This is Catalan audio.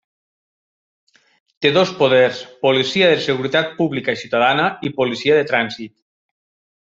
Té dos poders: policia de seguretat pública i ciutadana i policia de trànsit.